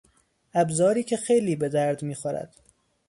ابزاری که خیلی به درد میخورد